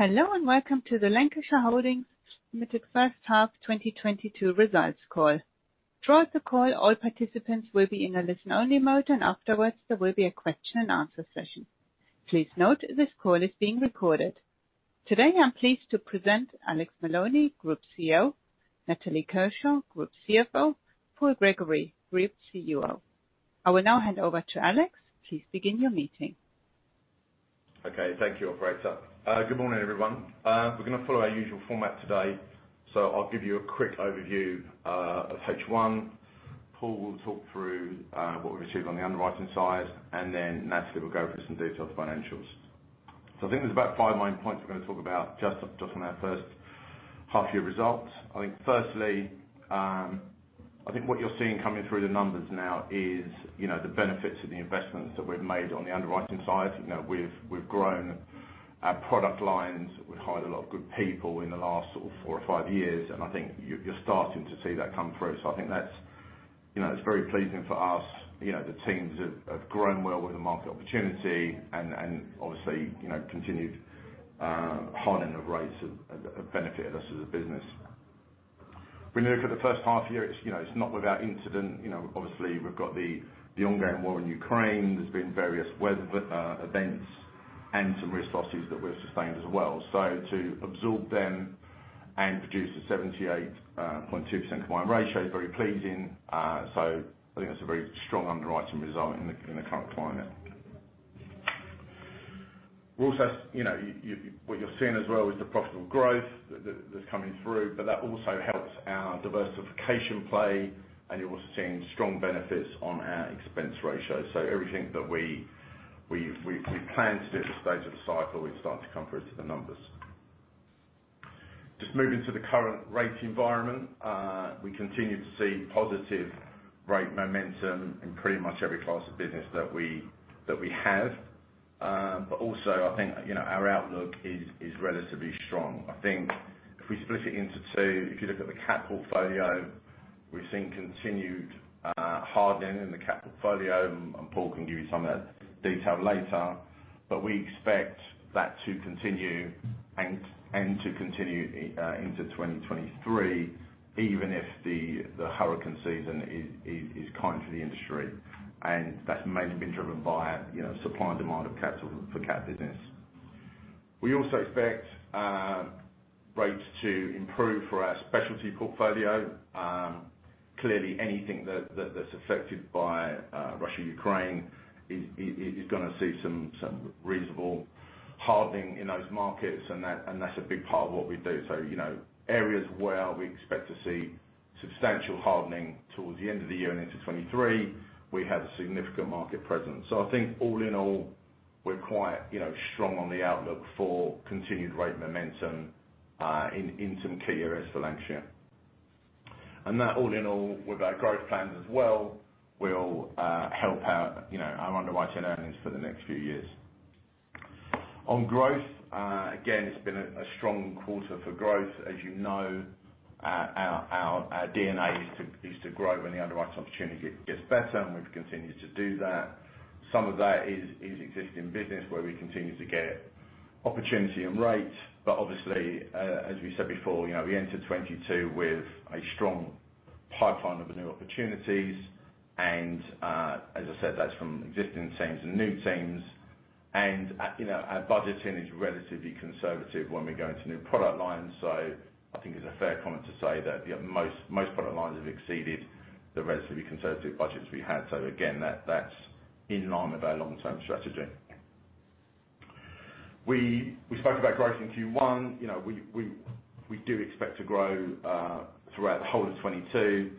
Hello, and welcome to the Lancashire Holdings Limited half 2022 results call. Throughout the call, all participants will be in a listen-only mode, and afterwards, there will be a question and answer session. Please note this call is being recorded. Today, I'm pleased to present Alex Maloney, Group CEO, Natalie Kershaw, Group CFO, Paul Gregory, Group CUO. I will now hand over to Alex. Please begin your meeting. Okay. Thank you Operator. Good morning, everyone. We're gonna follow our usual format today. I'll give you a quick overview of H1. Paul will talk through what we achieved on the underwriting side, and then Natalie will go through some detailed financials. I think there's about five main points we're gonna talk about just on our first half year results. I think firstly, I think what you're seeing coming through the numbers now is, you know, the benefits of the investments that we've made on the underwriting side. You know, we've grown our product lines. We've hired a lot of good people in the last sort of four or five years, and I think you're starting to see that come through. I think that's, you know, it's very pleasing for us. You know, the teams have grown well with the market opportunity and obviously, you know, continued hardening of rates have benefited us as a business. When you look at the first half year, you know, it's not without incident. You know, obviously, we've got the ongoing war in Ukraine. There's been various weather events and some risk losses that we've sustained as well. To absorb them and produce a 78.2% combined ratio is very pleasing. I think that's a very strong underwriting result in the current climate. We're also, you know, what you're seeing as well is the profitable growth that is coming through, but that also helps our diversification play, and you're seeing strong benefits on our expense ratio. Everything that we planned to do at this stage of the cycle is starting to come through to the numbers. Just moving to the current rate environment, we continue to see positive rate momentum in pretty much every class of business that we have. Also I think, you know, our outlook is relatively strong. I think if we split it into two, if you look at the cat portfolio, we've seen continued hardening in the cat portfolio, and Paul can give you some of that detail later. We expect that to continue into 2023, even if the hurricane season is kind to the industry, and that's mainly been driven by, you know, supply and demand for cat business. We also expect rates to improve for our specialty portfolio. Clearly anything that's affected by Russia, Ukraine is gonna see some reasonable hardening in those markets, and that's a big part of what we do. You know, areas where we expect to see substantial hardening towards the end of the year and into 2023, we have a significant market presence. I think all in all, we're quite you know, strong on the outlook for continued rate momentum in some key areas for Lancashire. That all in all with our growth plans as well will help our you know, our underwriting earnings for the next few years. On growth, again, it's been a strong quarter for growth. As you know, our D&A is to grow when the underwriting opportunity gets better, and we've continued to do that. Some of that is existing business where we continue to get opportunity and rates. Obviously, as we said before, you know, we entered 2022 with a strong pipeline of new opportunities and as I said, that's from existing teams and new teams. You know, our budgeting is relatively conservative when we go into new product lines. I think it's a fair comment to say that, you know, most product lines have exceeded the relatively conservative budgets we had. Again, that's in line with our long-term strategy. We spoke about growth in Q1. You know, we do expect to grow throughout the whole of 2022.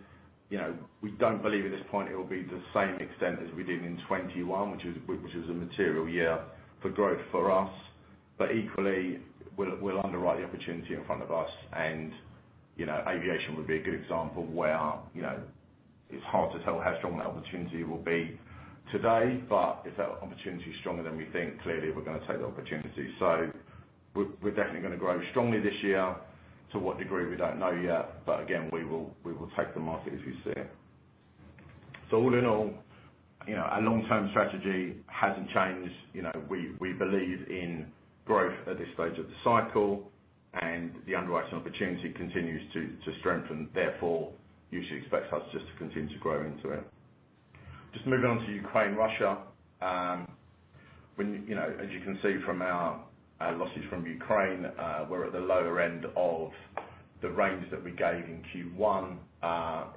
You know, we don't believe at this point it will be the same extent as we did in 2021, which was a material year for growth for us. Equally, we'll underwrite the opportunity in front of us and, you know, aviation would be a good example where, you know, it's hard to tell how strong that opportunity will be today. If that opportunity is stronger than we think, clearly we're gonna take the opportunity. We're definitely gonna grow strongly this year. To what degree, we don't know yet, but again, we will take the market as we see it. All in all, you know, our long-term strategy hasn't changed. You know, we believe in growth at this stage of the cycle and the underwriting opportunity continues to strengthen. Therefore, you should expect us just to continue to grow into it. Just moving on to Ukraine/Russia. You know, as you can see from our losses from Ukraine, we're at the lower end of the range that we gave in Q1.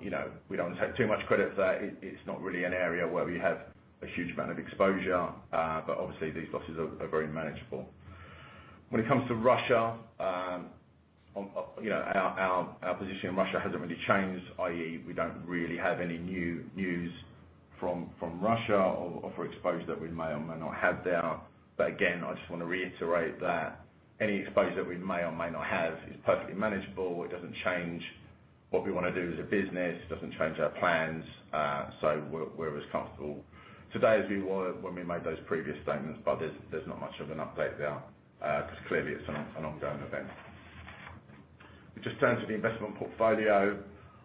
You know, we don't take too much credit for that. It's not really an area where we have a huge amount of exposure, but obviously these losses are very manageable. When it comes to Russia, you know, our position in Russia hasn't really changed, i.e. we don't really have any new news from Russia or for exposure that we may or may not have there. Again, I just want to reiterate that any exposure that we may or may not have is perfectly manageable. It doesn't change what we wanna do as a business. It doesn't change our plans. So we're as comfortable today as we were when we made those previous statements, but there's not much of an update there, 'cause clearly it's an ongoing event. Just in terms of the investment portfolio,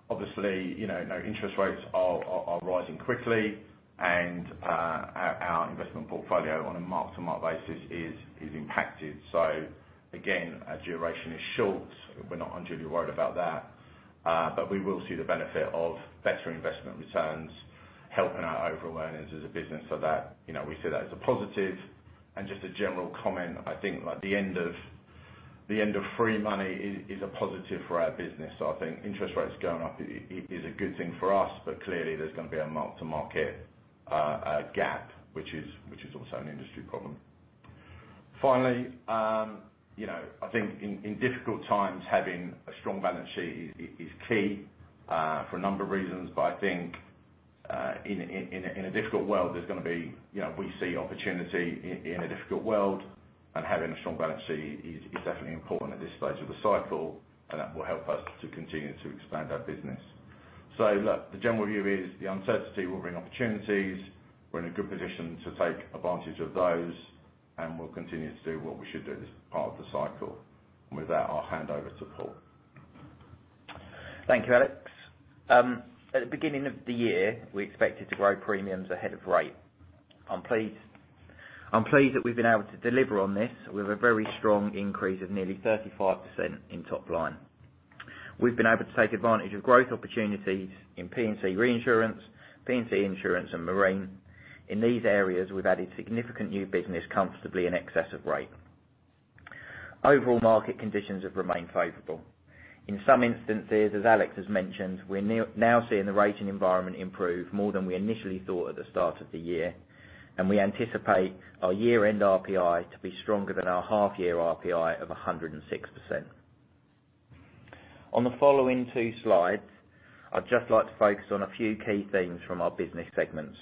obviously, you know, interest rates are rising quickly and, our investment portfolio on a mark-to-market basis is impacted. So again, our duration is short. We're not unduly worried about that. But we will see the benefit of better investment returns helping our overall earnings as a business. So that, you know, we see that as a positive. Just a general comment, I think like the end of free money is a positive for our business. I think interest rates going up is a good thing for us, but clearly there's gonna be a mark-to-market gap, which is also an industry problem. Finally, you know, I think in difficult times, having a strong balance sheet is key for a number of reasons. I think in a difficult world, there's gonna be. You know, we see opportunity in a difficult world, and having a strong balance sheet is definitely important at this stage of the cycle, and that will help us to continue to expand our business. Look, the general view is the uncertainty will bring opportunities. We're in a good position to take advantage of those, and we'll continue to do what we should do as part of the cycle. With that, I'll hand over to Paul. Thank you, Alex. At the beginning of the year, we expected to grow premiums ahead of rate. I'm pleased that we've been able to deliver on this with a very strong increase of nearly 35% in top line. We've been able to take advantage of growth opportunities in P&C reinsurance, P&C insurance, and marine. In these areas, we've added significant new business comfortably in excess of rate. Overall market conditions have remained favorable. In some instances, as Alex has mentioned, we're now seeing the rating environment improve more than we initially thought at the start of the year, and we anticipate our year-end RPI to be stronger than our half year RPI of 106%. On the following two slides, I'd just like to focus on a few key themes from our business segments.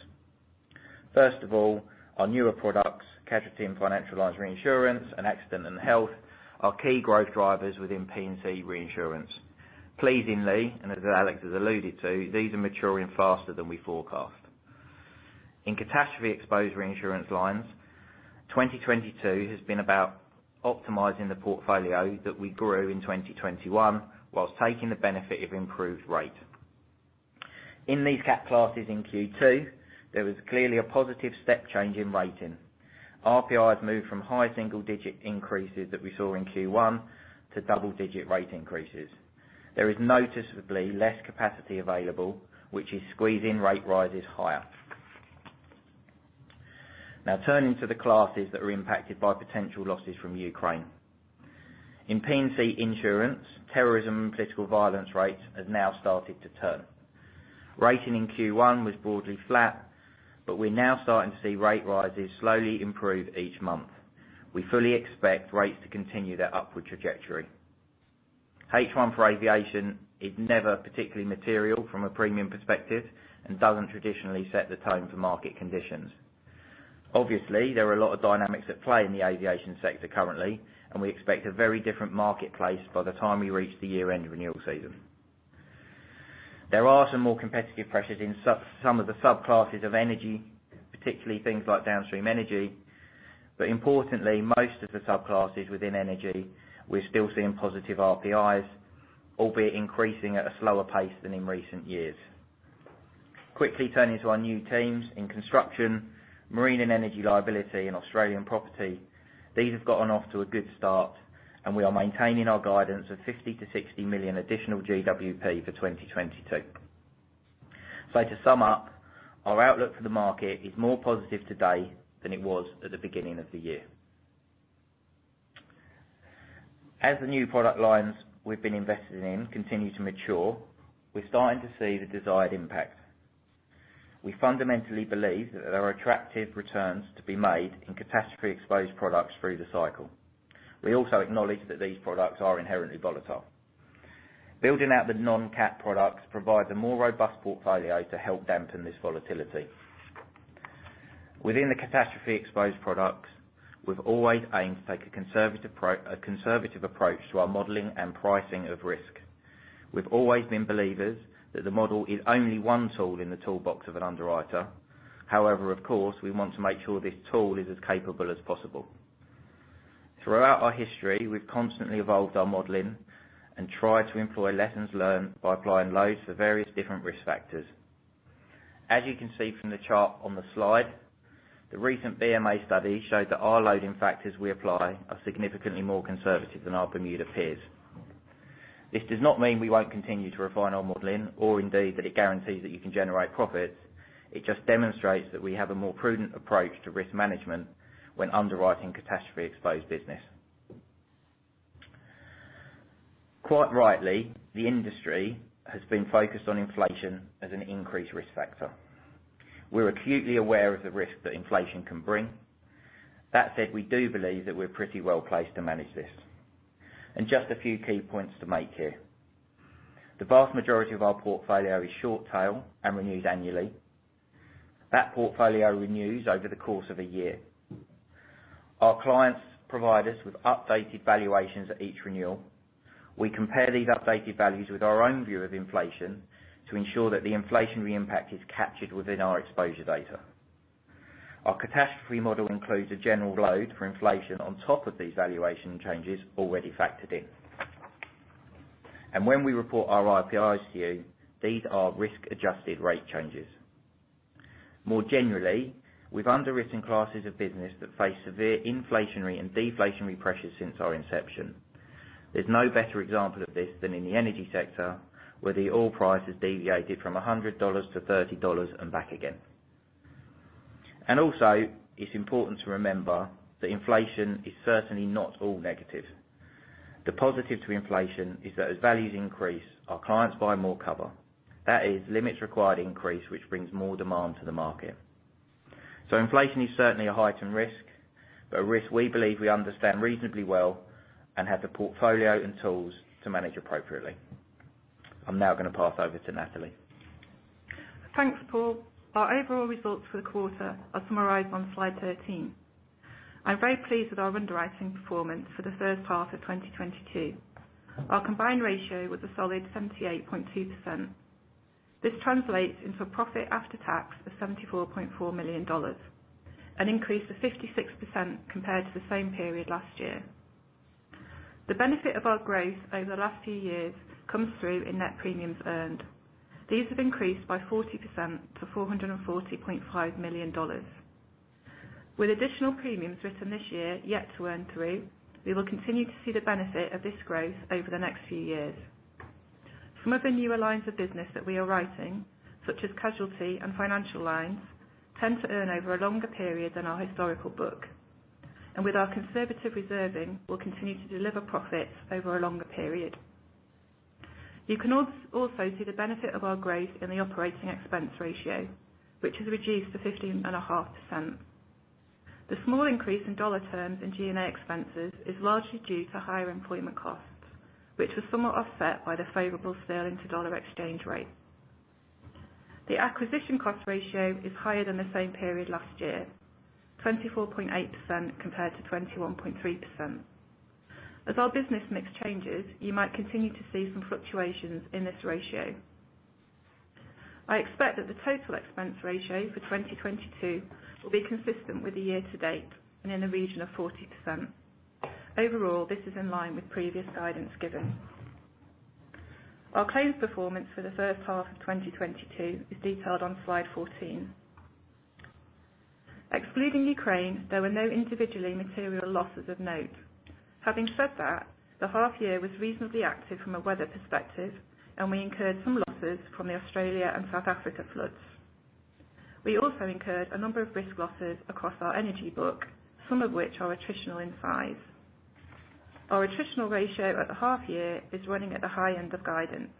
First of all, our newer products, casualty and financial lines reinsurance and accident and health, are key growth drivers within P&C reinsurance. Pleasingly, and as Alex has alluded to, these are maturing faster than we forecast. In catastrophe exposed reinsurance lines, 2022 has been about optimizing the portfolio that we grew in 2021, while taking the benefit of improved rate. In these cat classes in Q2, there was clearly a positive step change in rating. RPIs moved from high single digit increases that we saw in Q1 to double digit rate increases. There is noticeably less capacity available, which is squeezing rate rises higher. Now turning to the classes that are impacted by potential losses from Ukraine. In P&C insurance, terrorism and political violence rates have now started to turn. Rating in Q1 was broadly flat, but we're now starting to see rate rises slowly improve each month. We fully expect rates to continue their upward trajectory. H1 for aviation is never particularly material from a premium perspective and doesn't traditionally set the tone for market conditions. Obviously, there are a lot of dynamics at play in the aviation sector currently, and we expect a very different marketplace by the time we reach the year-end renewal season. There are some more competitive pressures in some of the subclasses of energy, particularly things like downstream energy, but importantly, most of the subclasses within energy, we're still seeing positive RPIs, albeit increasing at a slower pace than in recent years. Quickly turning to our new teams in construction, marine and energy liability, and Australian property, these have gotten off to a good start, and we are maintaining our guidance of $50 million-$60 million additional GWP for 2022. To sum up, our outlook for the market is more positive today than it was at the beginning of the year. As the new product lines we've been investing in continue to mature, we're starting to see the desired impact. We fundamentally believe that there are attractive returns to be made in catastrophe exposed products through the cycle. We also acknowledge that these products are inherently volatile. Building out the non-cat products provides a more robust portfolio to help dampen this volatility. Within the catastrophe exposed products, we've always aimed to take a conservative approach to our modeling and pricing of risk. We've always been believers that the model is only one tool in the toolbox of an underwriter. However, of course, we want to make sure this tool is as capable as possible. Throughout our history, we've constantly evolved our modeling and tried to employ lessons learned by applying loads to various different risk factors. As you can see from the chart on the slide, the recent BMA study showed that our loading factors we apply are significantly more conservative than our Bermuda peers. This does not mean we won't continue to refine our modeling, or indeed that it guarantees that you can generate profits. It just demonstrates that we have a more prudent approach to risk management when underwriting catastrophe exposed business. Quite rightly, the industry has been focused on inflation as an increased risk factor. We're acutely aware of the risk that inflation can bring. That said, we do believe that we're pretty well placed to manage this. Just a few key points to make here. The vast majority of our portfolio is short tail and renews annually. That portfolio renews over the course of a year. Our clients provide us with updated valuations at each renewal. We compare these updated values with our own view of inflation to ensure that the inflationary impact is captured within our exposure data. Our catastrophe model includes a general load for inflation on top of these valuation changes already factored in. When we report our RPIs to you, these are risk-adjusted rate changes. More generally, we've underwritten classes of business that face severe inflationary and deflationary pressures since our inception. There's no better example of this than in the energy sector, where the oil price has deviated from $100-$30 and back again. It's important to remember that inflation is certainly not all negative. The positive to inflation is that as values increase, our clients buy more cover. That is limits required increase, which brings more demand to the market. Inflation is certainly a heightened risk, but a risk we believe we understand reasonably well and have the portfolio and tools to manage appropriately. I'm now gonna pass over to Natalie. Thanks, Paul. Our overall results for the quarter are summarized on slide 13. I'm very pleased with our underwriting performance for the first half of 2022. Our combined ratio was a solid 78.2%. This translates into a profit after tax of $74.4 million, an increase of 56% compared to the same period last year. The benefit of our growth over the last few years comes through in net premiums earned. These have increased by 40% to $440.5 million. With additional premiums written this year yet to earn through, we will continue to see the benefit of this growth over the next few years. Some of the newer lines of business that we are writing, such as casualty and financial lines, tend to earn over a longer period than our historical book. With our conservative reserving, we'll continue to deliver profits over a longer period. You can also see the benefit of our growth in the operating expense ratio, which has reduced to 15.5%. The small increase in dollar terms in G&A expenses is largely due to higher employment costs, which was somewhat offset by the favorable sterling to dollar exchange rate. The acquisition cost ratio is higher than the same period last year. 24.8% compared to 21.3%. As our business mix changes, you might continue to see some fluctuations in this ratio. I expect that the total expense ratio for 2022 will be consistent with the year to date and in the region of 40%. Overall, this is in line with previous guidance given. Our claims performance for the first half of 2022 is detailed on slide 14. Excluding Ukraine, there were no individually material losses of note. Having said that, the half year was reasonably active from a weather perspective, and we incurred some losses from the Australia and South Africa floods. We also incurred a number of risk losses across our energy book, some of which are attritional in size. Our attritional ratio at the half year is running at the high end of guidance.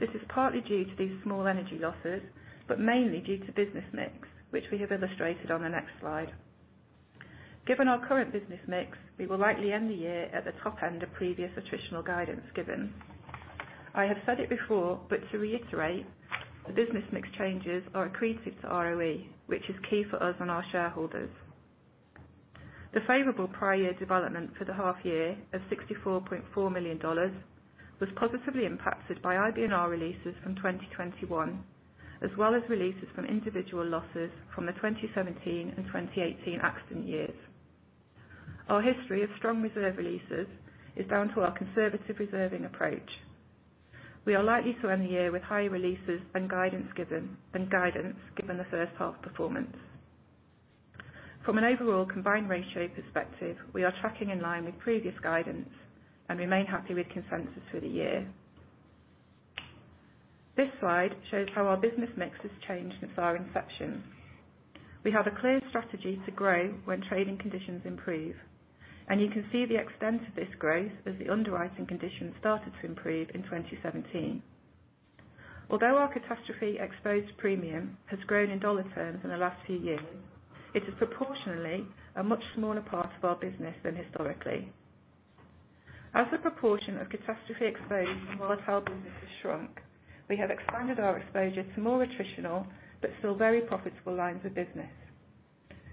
This is partly due to these small energy losses, but mainly due to business mix, which we have illustrated on the next slide. Given our current business mix, we will likely end the year at the top end of previous attritional guidance given. I have said it before, but to reiterate, the business mix changes are accretive to ROE, which is key for us and our shareholders. The favorable prior year development for the half year of $64.4 million was positively impacted by IBNR releases from 2021, as well as releases from individual losses from the 2017 and 2018 accident years. Our history of strong reserve releases is down to our conservative reserving approach. We are likely to end the year with higher releases than guidance, given the first half performance. From an overall combined ratio perspective, we are tracking in line with previous guidance and remain happy with consensus for the year. This slide shows how our business mix has changed since our inception. We have a clear strategy to grow when trading conditions improve, and you can see the extent of this growth as the underwriting conditions started to improve in 2017. Although our catastrophe exposed premium has grown in dollar terms in the last few years, it is proportionally a much smaller part of our business than historically. As the proportion of catastrophe exposed and volatile business has shrunk, we have expanded our exposure to more attritional but still very profitable lines of business.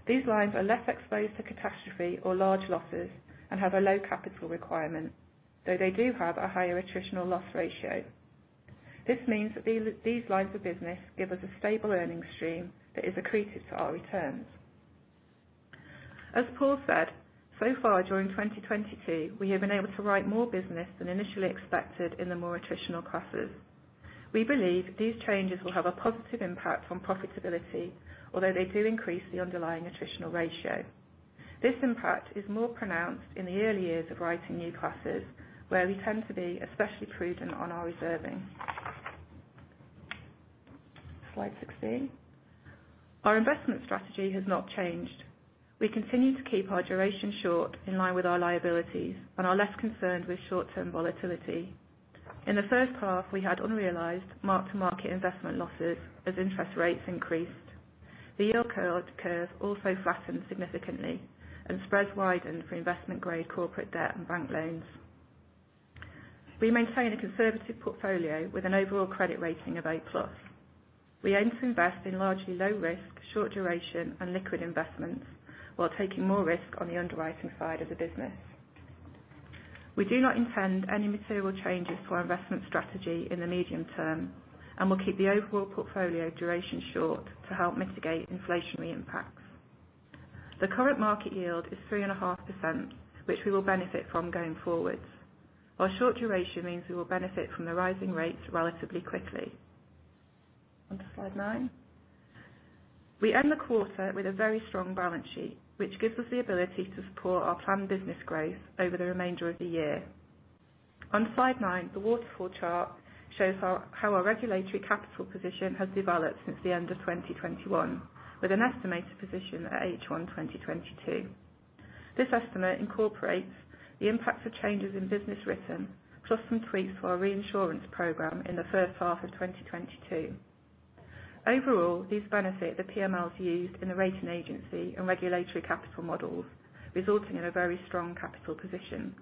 These lines are less exposed to catastrophe or large losses and have a low capital requirement, though they do have a higher attritional loss ratio. This means that these lines of business give us a stable earnings stream that is accretive to our returns. As Paul said, so far during 2022, we have been able to write more business than initially expected in the more attritional classes. We believe these changes will have a positive impact on profitability, although they do increase the underlying attritional ratio. This impact is more pronounced in the early years of writing new classes, where we tend to be especially prudent on our reserving. Slide 16. Our investment strategy has not changed. We continue to keep our duration short in line with our liabilities and are less concerned with short-term volatility. In the first half, we had unrealized mark-to-market investment losses as interest rates increased. The yield curve also flattened significantly and spreads widened for investment-grade corporate debt and bank loans. We maintain a conservative portfolio with an overall credit rating of A+. We aim to invest in largely low risk, short duration, and liquid investments while taking more risk on the underwriting side of the business. We do not intend any material changes to our investment strategy in the medium term, and we'll keep the overall portfolio duration short to help mitigate inflationary impacts. The current market yield is 3.5%, which we will benefit from going forward. Our short duration means we will benefit from the rising rates relatively quickly. On to slide nine. We end the quarter with a very strong balance sheet, which gives us the ability to support our planned business growth over the remainder of the year. On slide nine, the waterfall chart shows how our regulatory capital position has developed since the end of 2021, with an estimated position at H1 2022. This estimate incorporates the impacts of changes in business written plus some tweaks to our reinsurance program in the first half of 2022. Overall, these benefit the PMLs used in the rating agency and regulatory capital models, resulting in a very strong capital position.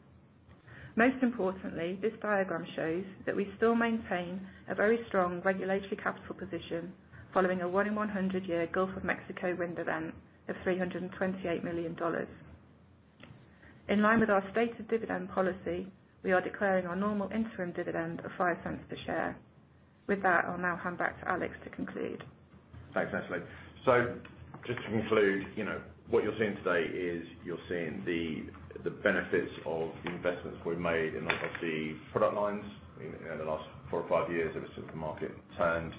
Most importantly, this diagram shows that we still maintain a very strong regulatory capital position following a one in 100 year Gulf of Mexico wind event of $328 million. In line with our stated dividend policy, we are declaring our normal interim dividend of $0.05 per share. With that, I'll now hand back to Alex to conclude. Thanks, Natalie. Just to conclude, you know, what you're seeing today is you're seeing the benefits of the investments we've made in a lot of the product lines in, you know, the last four or five years as the market turned.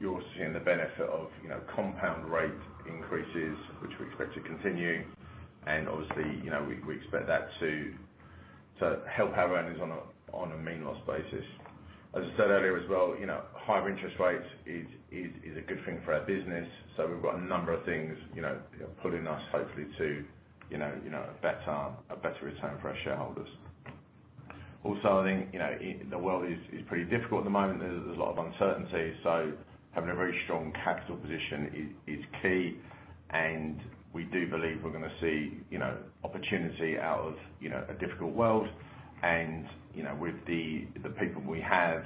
You're seeing the benefit of, you know, compound rate increases, which we expect to continue. Obviously, you know, we expect that to help our owners on a mean loss basis. As I said earlier as well, you know, higher interest rates is a good thing for our business, so we've got a number of things, you know, pulling us hopefully to, you know, a better return for our shareholders. Also, I think, you know, the world is pretty difficult at the moment. There's a lot of uncertainty, so having a very strong capital position is key. We do believe we're gonna see, you know, opportunity out of, you know, a difficult world. You know, with the people we have,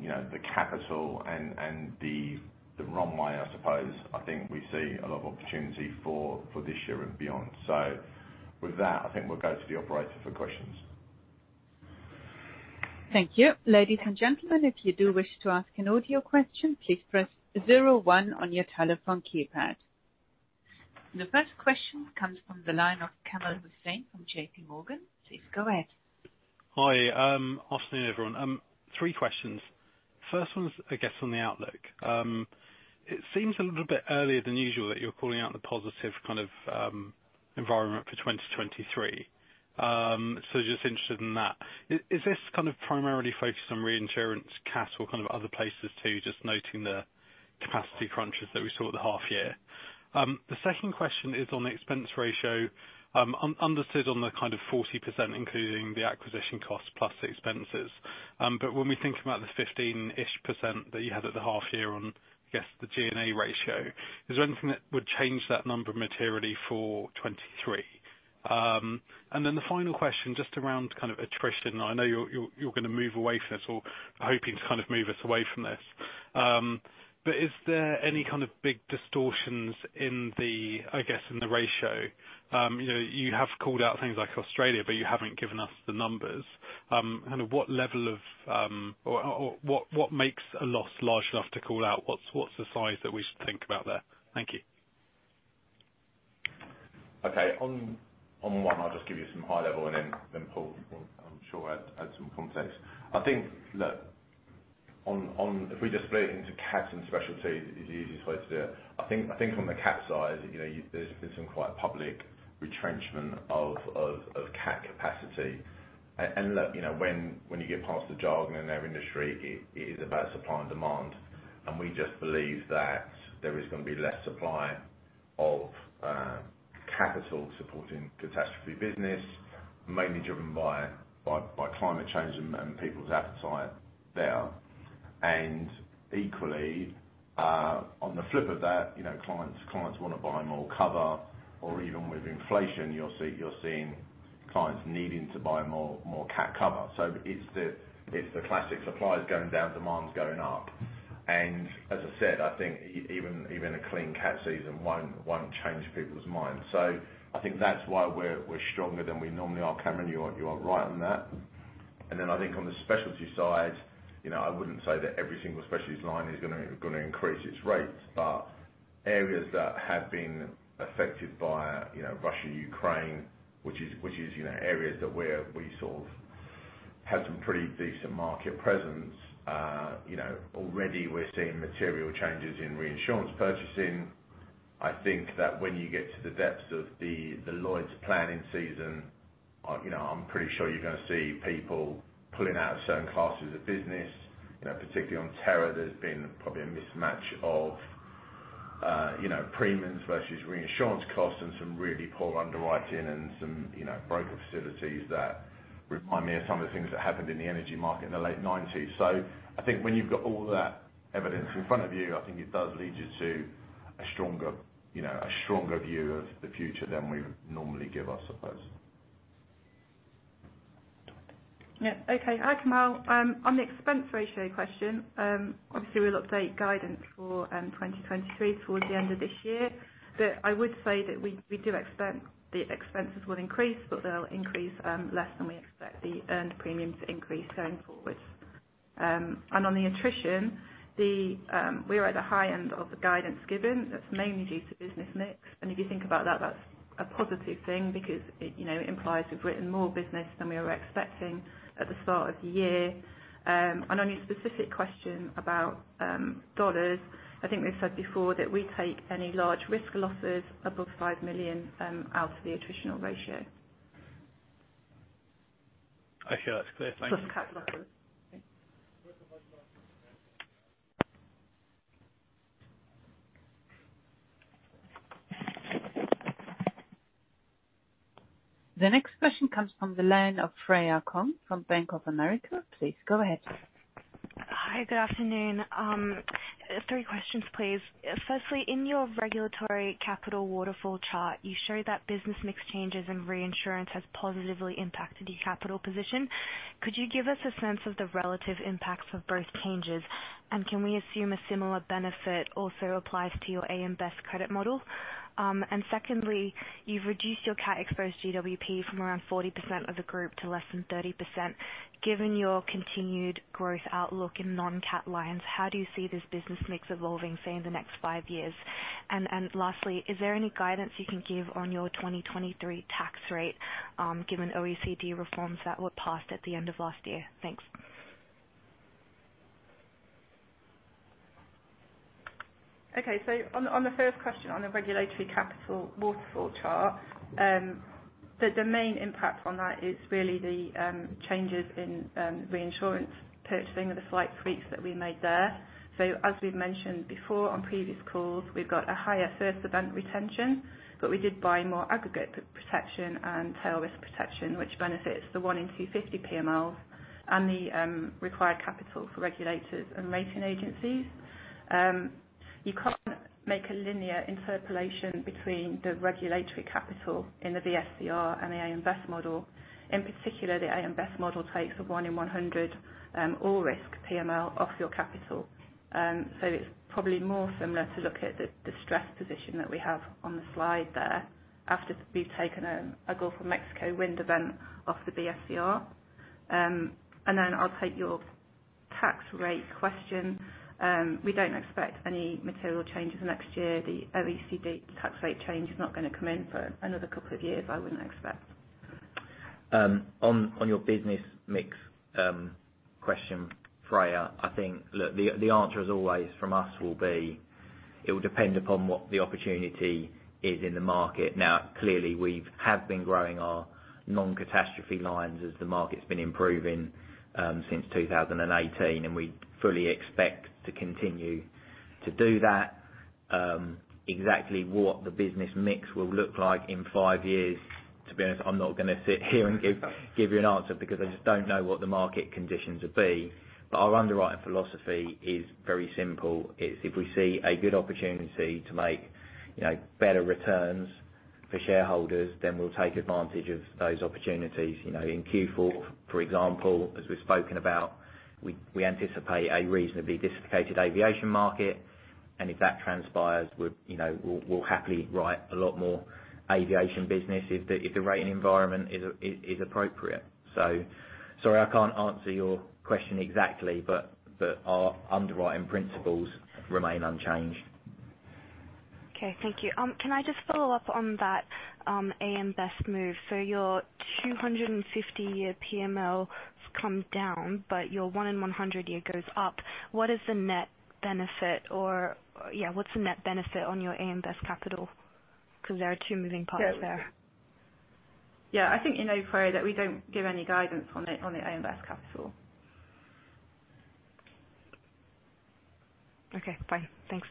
you know, the capital and the runway, I suppose, I think we see a lot of opportunity for this year and beyond. With that, I think we'll go to the Operator for questions. Thank you. Ladies and gentlemen, if you do wish to ask an audio question, please press zero one on your telephone keypad. The first question comes from the line of Kamran Hossain from JPMorgan. Please go ahead. Hi. Afternoon, everyone. Three questions. First one's, I guess, on the outlook. It seems a little bit earlier than usual that you're calling out the positive kind of environment for 2023. So just interested in that. Is this kind of primarily focused on reinsurance cat or kind of other places too? Just noting the capacity crunches that we saw at the half year. The second question is on the expense ratio. Understood on the kind of 40%, including the acquisition cost plus the expenses. But when we think about the 15%-ish that you had at the half year on, I guess, the G&A ratio, is there anything that would change that number materially for 2023? And then the final question, just around kind of attrition. I know you're gonna move away from this or hoping to kind of move us away from this. Is there any kind of big distortions in the, I guess, in the ratio? You know, you have called out things like Australia, but you haven't given us the numbers. Kind of what level of, or what makes a loss large enough to call out? What's the size that we should think about there? Thank you. Okay. On one, I'll just give you some high level and then Paul will, I'm sure, add some context. I think if we just split it into cats and specialty is the easiest way to do it. I think from the cat side, you know, there's been some quite public retrenchment of cat capacity. Look, you know, when you get past the jargon in our industry, it is about supply and demand. We just believe that there is gonna be less supply of capital supporting catastrophe business, mainly driven by climate change and people's appetite there. Equally, on the flip of that, you know, clients wanna buy more cover or even with inflation, you're seeing clients needing to buy more cat cover. It's the classic supply's going down, demand's going up. As I said, I think even a clean cat season won't change people's minds. I think that's why we're stronger than we normally are. Kamran, you are right on that. Then I think on the specialty side, you know, I wouldn't say that every single specialties line is gonna increase its rates. Areas that have been affected by, you know, Russia/Ukraine, you know, areas that we sort of have some pretty decent market presence. You know, already we're seeing material changes in reinsurance purchasing. I think that when you get to the depths of the Lloyd's planning season, you know, I'm pretty sure you're gonna see people pulling out of certain classes of business. You know, particularly on terror, there's been probably a mismatch of, you know, premiums versus reinsurance costs and some really poor underwriting and some, you know, broker facilities that remind me of some of the things that happened in the energy market in the late nineties. I think when you've got all that evidence in front of you, I think it does lead you to a stronger, you know, a stronger view of the future than we would normally give, I suppose. Yeah. Okay. Hi, Kamran. On the expense ratio question, obviously we'll update guidance for 2023 towards the end of this year. I would say that we do expect the expenses will increase, but they'll increase less than we expect the earned premium to increase going forward. On the attrition, we're at the high end of the guidance given. That's mainly due to business mix. If you think about that's a positive thing because it, you know, implies we've written more business than we were expecting at the start of the year. On your specific question about dollars, I think we've said before that we take any large risk losses above $5 million out of the attritional ratio. Okay, that's clear. Thank you. Plus cat losses. The next question comes from the line of Freya Kong from Bank of America. Please go ahead. Hi, good afternoon. Three questions please. Firstly, in your regulatory capital waterfall chart, you show that business mix changes and reinsurance has positively impacted your capital position. Could you give us a sense of the relative impacts of both changes? Can we assume a similar benefit also applies to your AM Best credit model? Secondly, you've reduced your cat exposed GWP from around 40% of the group to less than 30%. Given your continued growth outlook in non-cat lines, how do you see this business mix evolving, say, in the next five years? Lastly, is there any guidance you can give on your 2023 tax rate, given OECD reforms that were passed at the end of last year? Thanks. Okay. On the first question, on the regulatory capital waterfall chart, the main impact on that is really the changes in reinsurance purchasing and the slight tweaks that we made there. As we've mentioned before on previous calls, we've got a higher first event retention, but we did buy more aggregate protection and tail risk protection, which benefits the one in 250 PMLs and the required capital for regulators and rating agencies. You can't make a linear interpolation between the regulatory capital in the BSCR and the AM Best model. In particular, the AM Best model takes a one in 100 all risk PML off your capital. It's probably more similar to look at the stress position that we have on the slide there after we've taken a Gulf of Mexico wind event off the BSCR. I'll take your tax rate question. We don't expect any material changes next year. The OECD tax rate change is not gonna come in for another couple of years. I wouldn't expect. On your business mix question, Freya, I think, look, the answer as always from us will be, it will depend upon what the opportunity is in the market. Now, clearly, we've been growing our non-catastrophe lines as the market's been improving since 2018, and we fully expect to continue to do that. Exactly what the business mix will look like in five years, to be honest, I'm not gonna sit here and give you an answer because I just don't know what the market conditions will be. Our underwriting philosophy is very simple. It's if we see a good opportunity to make, you know, better returns for shareholders, then we'll take advantage of those opportunities. You know, in Q4, for example, as we've spoken about, we anticipate a reasonably dissipated aviation market, and if that transpires, we're, you know, we'll happily write a lot more aviation business if the rating environment is appropriate. Sorry I can't answer your question exactly, but our underwriting principles remain unchanged. Okay. Thank you. Can I just follow up on that, AM Best move? Your 250-year PML has come down, but your one-in-100-year goes up. What is the net benefit? Yeah, what's the net benefit on your AM Best capital? 'Cause there are two moving parts there. Yeah. I think you know, Freya, that we don't give any guidance on the AM Best capital. Okay. Fine. Thanks.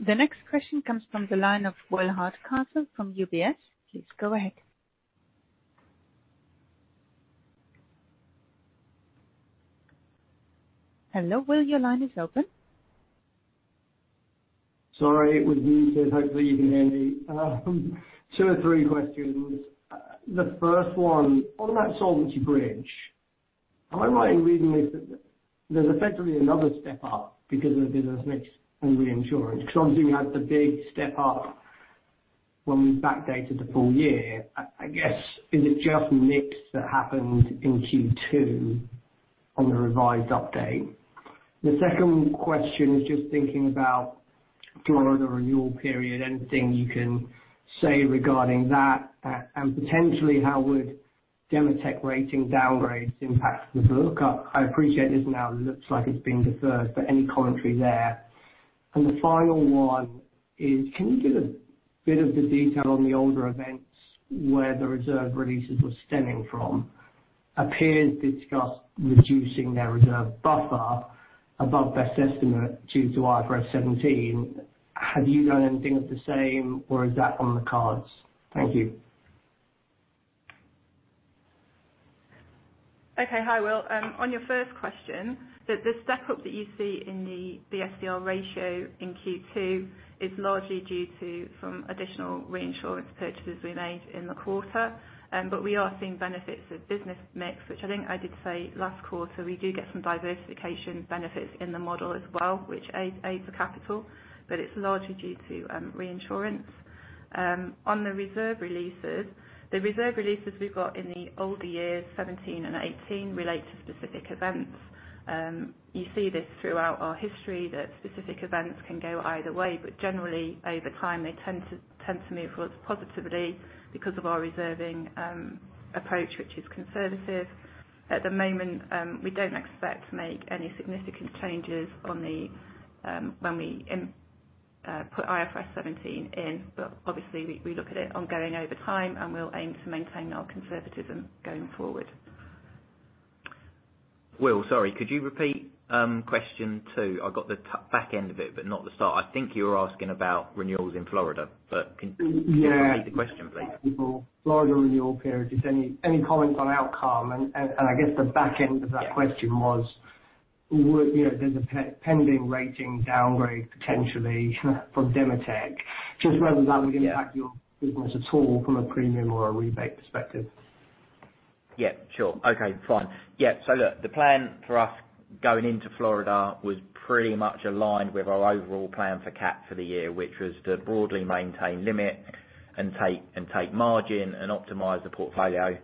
The next question comes from the line of William Hardcastle from UBS. Please go ahead. Hello, Will, your line is open. Sorry, it was muted. Hopefully you can hear me. Two or three questions. The first one, on that solvency bridge, am I right in reading this that there's effectively another step up because of the business mix and reinsurance? 'Cause obviously we had the big step up when we backdated the full year. I guess, is it just mix that happened in Q2 on the revised update? The second question is just thinking about Florida renewal period, anything you can say regarding that. And potentially how would Demotech rating downgrades impact the look up? I appreciate this now looks like it's been deferred, but any commentary there. The final one is, can you give a bit of the detail on the older events where the reserve releases were stemming from? Peers discussed reducing their reserve buffer above best estimate due to IFRS 17. Have you done anything of the same, or is that on the cards? Thank you. Okay. Hi, Will. On your first question, the stock up that you see in the SCR ratio in Q2 is largely due to some additional reinsurance purchases we made in the quarter. We are seeing benefits of business mix, which I think I did say last quarter. We do get some diversification benefits in the model as well, which aids the capital, but it's largely due to reinsurance. On the reserve releases, the reserve releases we've got in the older years, 17 and 18, relate to specific events. You see this throughout our history, that specific events can go either way, but generally, over time, they tend to move for us positively because of our reserving approach, which is conservative. At the moment, we don't expect to make any significant changes on the. When we put IFRS 17 in. Obviously we look at it ongoing over time, and we'll aim to maintain our conservatism going forward. Will, sorry, could you repeat question two? I got the back end of it, but not the start. I think you were asking about renewals in Florida, but can- Yeah. Can you repeat the question, please? Florida renewal period. Just any comments on outcome. I guess the back end of that question was, you know, there's a pending rating downgrade potentially from Demotech. Just whether that would impact your business at all from a premium or a rebate perspective. Yeah, sure. Okay, fine. Yeah, look, the plan for us going into Florida was pretty much aligned with our overall plan for cat for the year, which was to broadly maintain limit and take, and take margin and optimize the portfolio,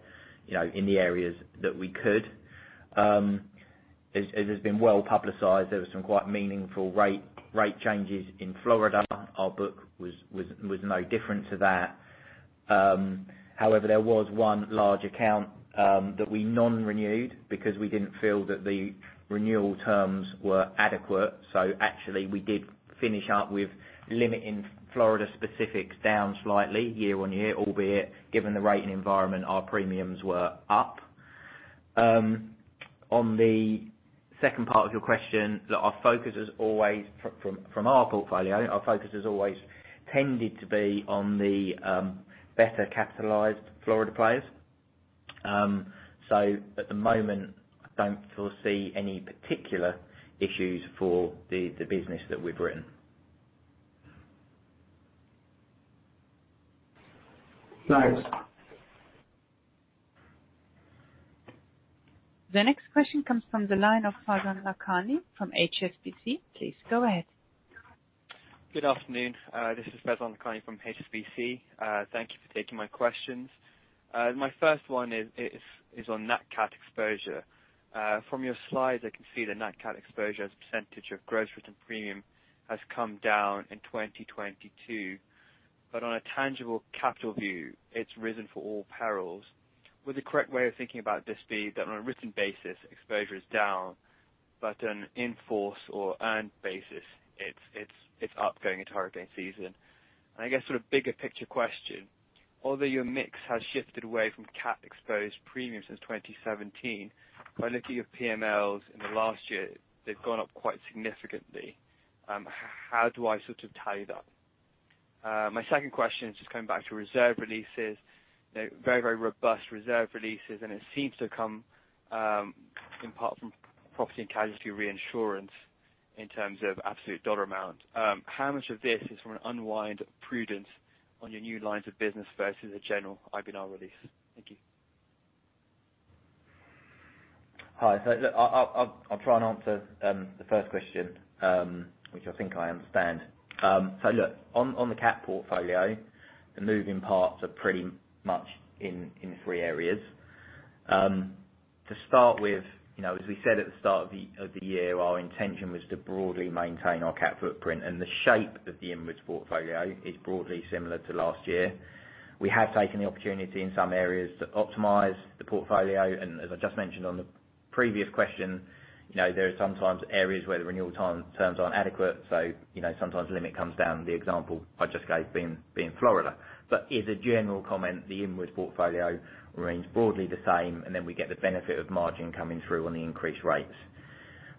you know, in the areas that we could. As has been well publicized, there were some quite meaningful rate changes in Florida. Our book was no different to that. However, there was one large account that we non-renewed because we didn't feel that the renewal terms were adequate. Actually we did finish up with limiting Florida specifics down slightly year-on-year, albeit given the rating environment, our premiums were up. On the second part of your question, look, our focus is always from our portfolio. Our focus has always tended to be on the better capitalized Florida players. At the moment, I don't foresee any particular issues for the business that we've written. Thanks. The next question comes from the line of Faizan Lakhani from HSBC. Please go ahead. Good afternoon. This is Faizan Lakhani from HSBC. Thank you for taking my questions. My first one is on net cat exposure. From your slides, I can see the net cat exposure as a percentage of gross written premium has come down in 2022. On a tangible capital view, it's risen for all perils. Would the correct way of thinking about this be that on a written basis exposure is down, but on in force or earned basis, it's up going into hurricane season? I guess sort of bigger picture question, although your mix has shifted away from cat exposed premiums since 2017, by looking at PMLs in the last year, they've gone up quite significantly. How do I sort of tie that up? My second question is just coming back to reserve releases. You know, very robust reserve releases, and it seems to come in part from property and casualty reinsurance in terms of absolute dollar amount. How much of this is from an unwind prudence on your new lines of business versus a general IBNR release? Thank you. Hi. Look, I'll try and answer the first question, which I think I understand. Look, on the cat portfolio, the moving parts are pretty much in three areas. To start with, you know, as we said at the start of the year, our intention was to broadly maintain our cat footprint. The shape of the inward portfolio is broadly similar to last year. We have taken the opportunity in some areas to optimize the portfolio, and as I just mentioned on the previous question, you know, there are some areas where the renewal terms aren't adequate, so you know, sometimes limit comes down. The example I just gave being Florida. As a general comment, the inward portfolio remains broadly the same, and then we get the benefit of margin coming through on the increased rates.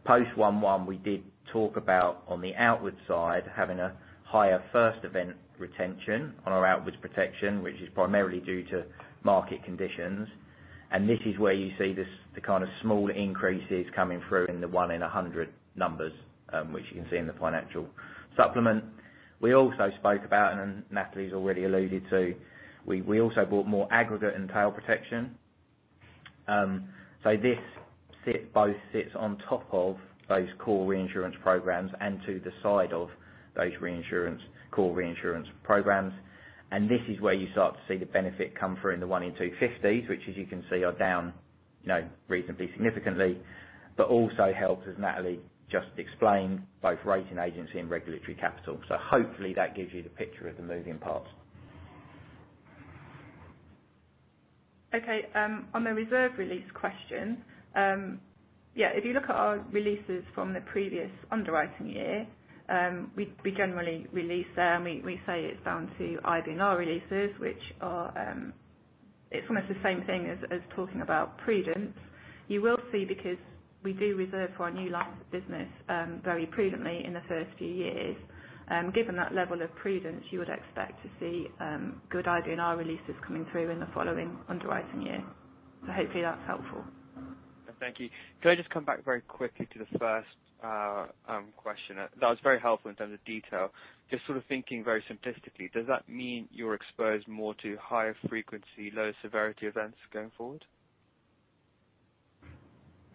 Post 1-1 we did talk about on the outward side, having a higher first event retention on our outwards protection, which is primarily due to market conditions. This is where you see this, the kind of small increases coming through in the one in 100 numbers, which you can see in the financial supplement. We also spoke about, and Natalie's already alluded to, we also bought more aggregate and tail protection. So this sits both on top of those core reinsurance programs and to the side of those core reinsurance programs. This is where you start to see the benefit come through in the one-in-250s, which as you can see are down, you know, reasonably significantly, but also helps, as Natalie just explained, both rating agency and regulatory capital. Hopefully that gives you the picture of the moving parts. Okay. On the reserve release question, yeah, if you look at our releases from the previous underwriting year, we generally release them. We say it's down to IBNR releases. It's almost the same thing as talking about prudence. You will see because we do reserve for our new lines of business, very prudently in the first few years. Given that level of prudence, you would expect to see good IBNR releases coming through in the following underwriting year. Hopefully that's helpful. Thank you. Could I just come back very quickly to the first question? That was very helpful in terms of detail. Just sort of thinking very simplistically, does that mean you're exposed more to higher frequency, lower severity events going forward?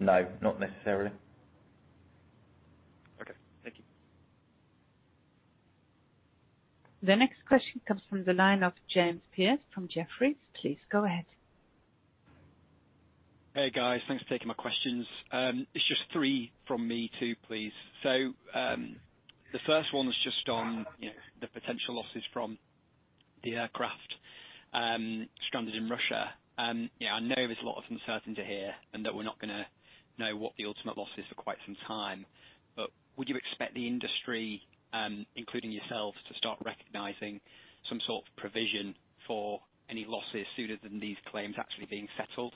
No, not necessarily. Okay. Thank you. The next question comes from the line of James Pearce from Jefferies. Please go ahead. Hey guys. Thanks for taking my questions. It's just three from me too, please. The first one is just on, you know, the potential losses from the aircraft stranded in Russia. Yeah, I know there's a lot of uncertainty here, and that we're not gonna know what the ultimate loss is for quite some time. Would you expect the industry, including yourselves, to start recognizing some sort of provision for any losses sooner than these claims actually being settled?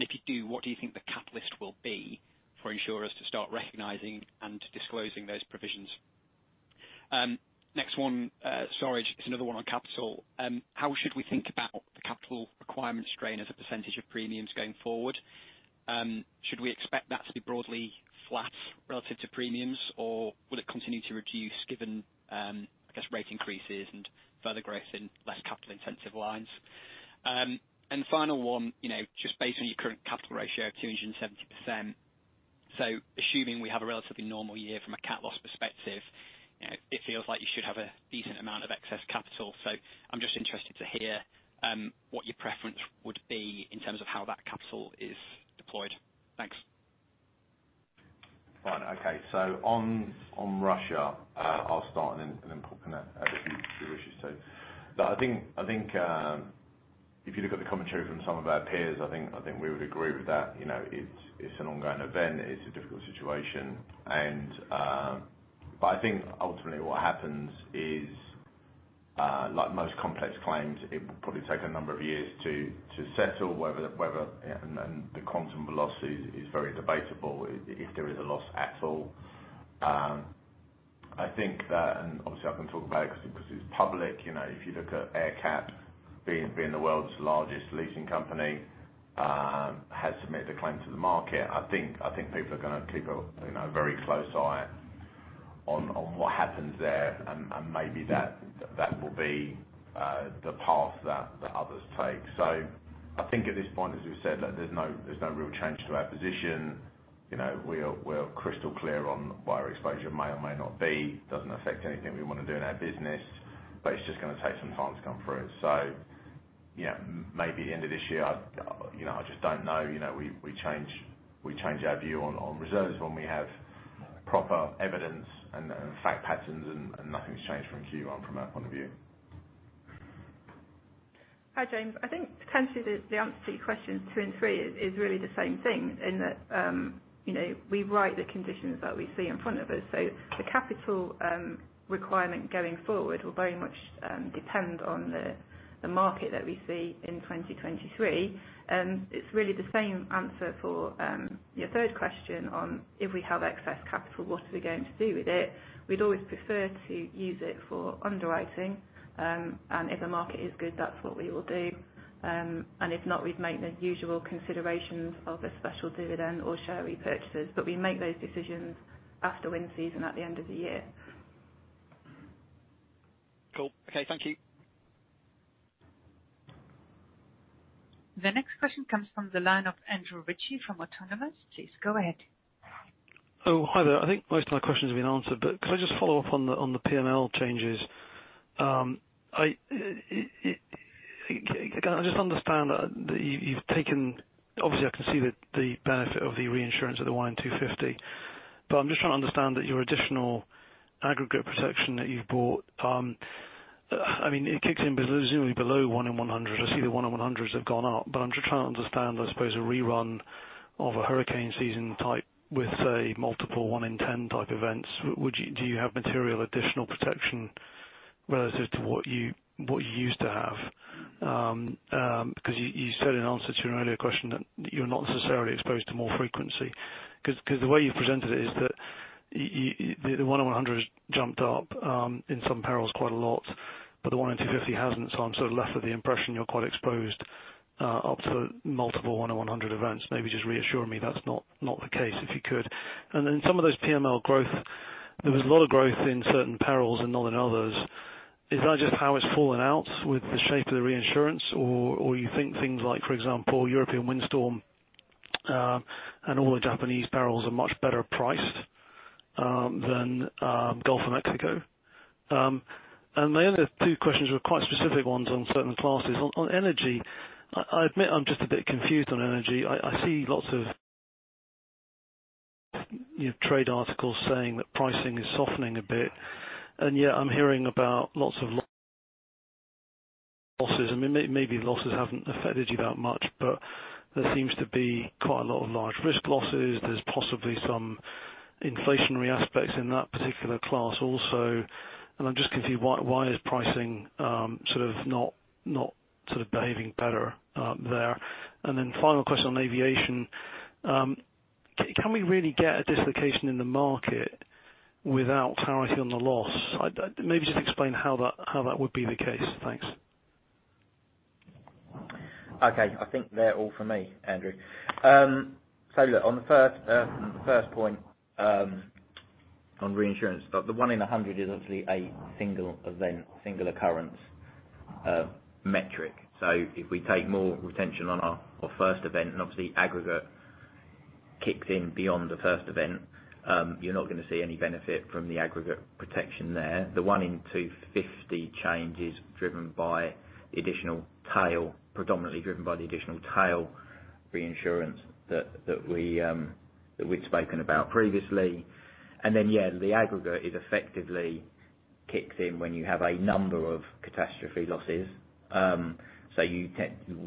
If you do, what do you think the catalyst will be for insurers to start recognizing and disclosing those provisions? Next one, sorry, it's another one on capital. How should we think about the capital requirement strain as a percentage of premiums going forward? Should we expect that to be broadly flat relative to premiums, or will it continue to reduce given, I guess, rate increases and further growth in less capital intensive lines? Final one, you know, just based on your current capital ratio of 270%. Assuming we have a relatively normal year from a cat loss perspective, you know, it feels like you should have a decent amount of excess capital. I'm just interested to hear what your preference would be in terms of how that capital is deployed. Thanks. Right. Okay. On Russia, I'll start and then Paul can add if he wishes to. I think if you look at the commentary from some of our peers, I think we would agree with that. You know, it's an ongoing event. It's a difficult situation. I think ultimately what happens is, like most complex claims, it will probably take a number of years to settle whether the quantum loss is very debatable, if there is a loss at all. I think that, and obviously I can talk about it 'cause it's public, you know, if you look at AerCap being the world's largest leasing company has submitted a claim to the market. I think people are gonna keep you know very close eye on what happens there. Maybe that will be the path that others take. I think at this point, as we've said, that there's no real change to our position. You know, we're crystal clear on where exposure may or may not be. Doesn't affect anything we wanna do in our business, but it's just gonna take some time to come through. You know, maybe end of this year. You know, I just don't know. You know, we change our view on reserves when we have proper evidence and fact patterns, and nothing's changed from Q1 from our point of view. Hi, James. I think potentially the answer to your questions two and three is really the same thing in that, you know, we write the conditions that we see in front of us. The capital requirement going forward will very much depend on the market that we see in 2023. It's really the same answer for your third question on if we have excess capital, what are we going to do with it? We'd always prefer to use it for underwriting. If the market is good, that's what we will do. If not, we'd make the usual considerations of a special dividend or share repurchases. We make those decisions after wind season at the end of the year. Cool. Okay. Thank you. The next question comes from the line of Andrew Ritchie from Autonomous. Please go ahead. Oh, hi there. I think most of my questions have been answered, but could I just follow up on the PML changes? Can I just understand that you've taken. Obviously, I can see the benefit of the reinsurance of the one in 250, but I'm just trying to understand that your additional aggregate protection that you've bought, it kicks in presumably below one in 100. I see the one in 100s have gone up. I'm just trying to understand, I suppose, a rerun of a hurricane season type with, say, multiple one in 10 type events. Do you have material additional protection relative to what you used to have? 'Cause you said in answer to an earlier question that you're not necessarily exposed to more frequency. Cause the way you presented it is that you, the one in 100s jumped up in some perils quite a lot, but the one in 250 hasn't. I'm sort of left with the impression you're quite exposed up to multiple one in 100 events. Maybe just reassure me that's not the case, if you could. Then some of those PML growth, there was a lot of growth in certain perils and not in others. Is that just how it's fallen out with the shape of the reinsurance? Or you think things like, for example, European windstorm and all the Japanese perils are much better priced than Gulf of Mexico? My other two questions were quite specific ones on certain classes. On energy, I admit I'm just a bit confused on energy. I see lots of, you know, trade articles saying that pricing is softening a bit, and yet I'm hearing about lots of losses. I mean, maybe losses haven't affected you that much, but there seems to be quite a lot of large risk losses. There's possibly some inflationary aspects in that particular class also. I'm just confused, why is pricing sort of not behaving better there? Then final question on aviation, can we really get a dislocation in the market without clarity on the loss? I'd maybe just explain how that would be the case. Thanks. Okay. I think they're all for me, Andrew. Look, on the first point, on reinsurance, the one in 100 is obviously a single event, singular occurrence, metric. If we take more retention on our first event, and obviously aggregate kicks in beyond the first event, you're not gonna see any benefit from the aggregate protection there. The one in 250 changes driven by the additional tail, predominantly driven by the additional tail reinsurance that we'd spoken about previously. Then, yeah, the aggregate is effectively kicks in when you have a number of catastrophe losses. You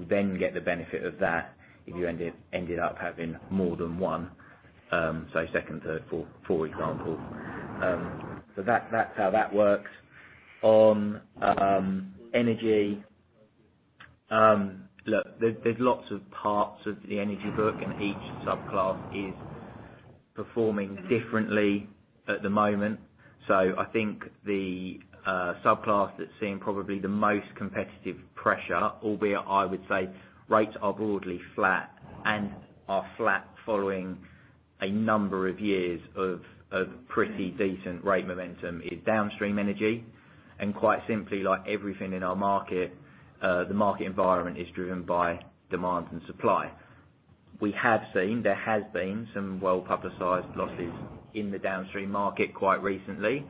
then get the benefit of that if you ended up having more than one, say, second, third, fourth, for example. That that's how that works. Energy. Look, there's lots of parts of the energy book, and each subclass is performing differently at the moment. I think the subclass that's seeing probably the most competitive pressure, albeit I would say rates are broadly flat and are flat following a number of years of pretty decent rate momentum is downstream energy. Quite simply, like everything in our market, the market environment is driven by demand and supply. We have seen there has been some well-publicized losses in the downstream market quite recently,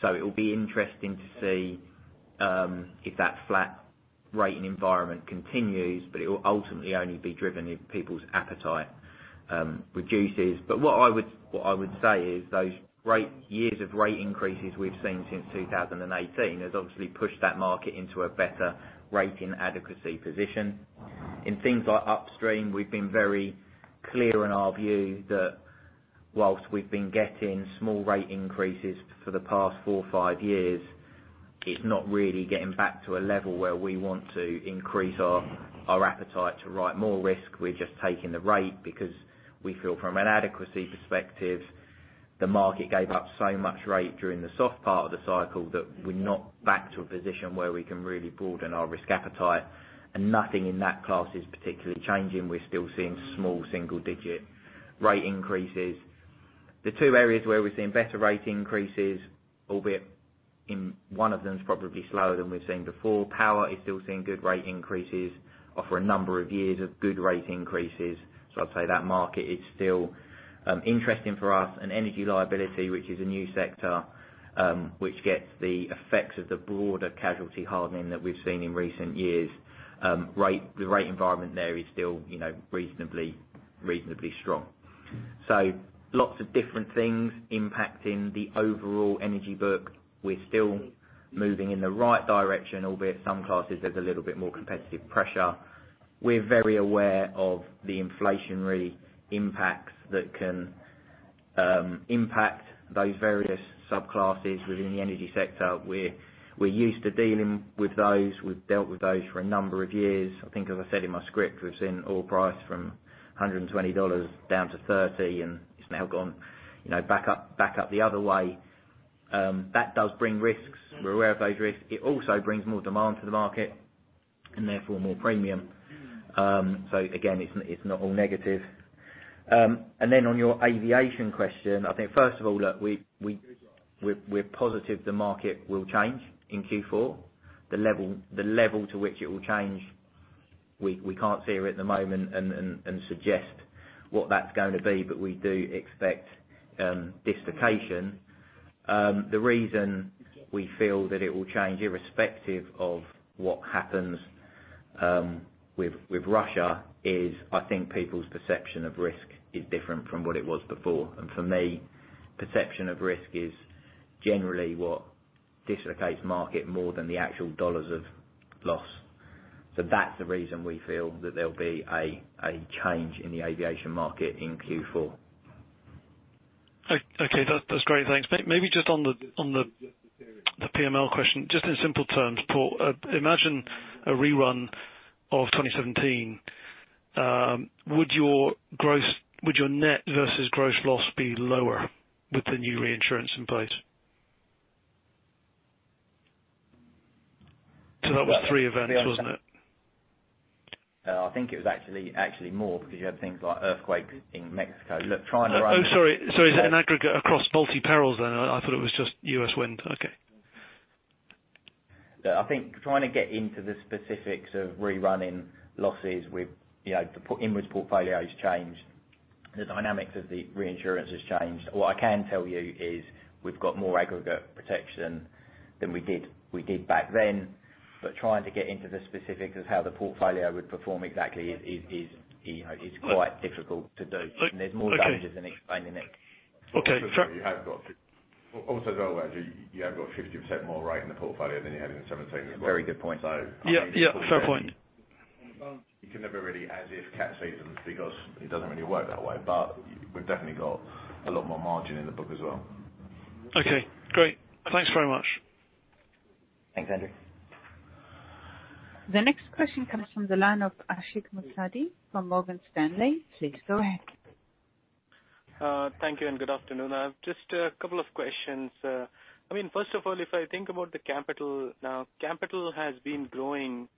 so it'll be interesting to see if that flat rate environment continues, but it will ultimately only be driven if people's appetite reduces. What I would say is those years of rate increases we've seen since 2018 has obviously pushed that market into a better rating adequacy position. In things like upstream, we've been very clear in our view that while we've been getting small rate increases for the past four or five years, it's not really getting back to a level where we want to increase our appetite to write more risk. We're just taking the rate because we feel from an adequacy perspective, the market gave up so much rate during the soft part of the cycle that we're not back to a position where we can really broaden our risk appetite. Nothing in that class is particularly changing. We're still seeing small single-digit rate increases. The two areas where we're seeing better rate increases, albeit in one of them is probably slower than we've seen before. Power is still seeing good rate increases for a number of years of good rate increases. I'd say that market is still interesting for us. Energy liability, which is a new sector, which gets the effects of the broader casualty hardening that we've seen in recent years. The rate environment there is still, you know, reasonably strong. Lots of different things impacting the overall energy book. We're still moving in the right direction, albeit some classes there's a little bit more competitive pressure. We're very aware of the inflationary impacts that can impact those various subclasses within the energy sector. We're used to dealing with those. We've dealt with those for a number of years. I think as I said in my script, we've seen oil price from $120 down to $30, and it's now gone, you know, back up the other way. That does bring risks. We're aware of those risks. It also brings more demand to the market and therefore more premium. Again, it's not all negative. On your aviation question, I think first of all, look, we're positive the market will change in Q4. The level to which it will change, we can't see it at the moment and suggest what that's going to be. We do expect dislocation. The reason we feel that it will change irrespective of what happens with Russia is I think people's perception of risk is different from what it was before. For me, perception of risk is generally what dislocates market more than the actual dollars of loss. That's the reason we feel that there'll be a change in the aviation market in Q4. Okay, that's great. Thanks. Maybe just on the PML question, just in simple terms, Paul, imagine a rerun of 2017. Would your net versus gross loss be lower with the new reinsurance in place? That was three events, wasn't it? I think it was actually more because you had things like earthquake in Mexico. Look, trying to run- Oh, sorry. Is it an aggregate across multi perils then? I thought it was just U.S. wind. Okay. Yeah. I think trying to get into the specifics of rerunning losses with, you know, the P&I inwards portfolio has changed, the dynamics of the reinsurance has changed. What I can tell you is we've got more aggregate protection than we did back then. But trying to get into the specifics of how the portfolio would perform exactly is, you know, quite difficult to do. Look, okay. There's more advantages than explaining it. Okay. Fair. Andrew, you have got 50% more rate in the portfolio than you had in 2017 as well. Very good point. Yeah, yeah. Fair point. You can never really assess if cat season because it doesn't really work that way. We've definitely got a lot more margin in the book as well. Okay, great. Thanks very much. Thanks, Andrew. The next question comes from the line of Ashik Musaddi from Morgan Stanley. Please go ahead. Thank you and good afternoon. I have just a couple of questions. I mean, first of all, if I think about the capital now, capital has been growing